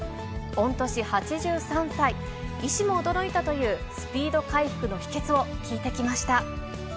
御年８３歳、医師も驚いたというスピード回復の秘けつを聞いてきました。